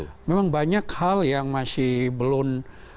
karena memang banyak hal yang masih belum